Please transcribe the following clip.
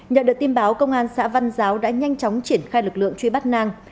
nhận được tin báo công an xã văn giáo đã nhanh chóng triển khai lực lượng truy bắt nang